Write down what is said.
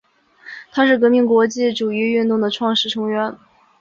它是革命国际主义运动的创始成员。